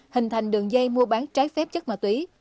hình thành đường dây mua bán trái phép chất ma túy